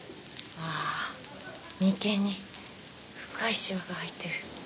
あ眉間に深いしわが入ってる。